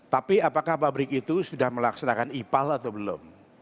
tapi apakah pabrik itu sudah melaksanakan ipal atau belum